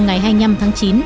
ngày hai mươi năm tháng chín